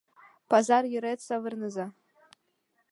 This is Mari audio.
Пазар йырет савырныза.